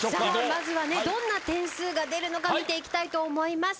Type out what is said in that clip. まずはどんな点数が出るのか見ていきたいと思います。